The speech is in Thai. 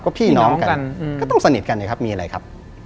ก็พี่น้องกันก็ต้องสนิทกันนะครับมีอะไรครับ